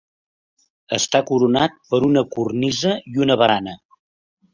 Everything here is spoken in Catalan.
Està coronat per una cornisa i una barana.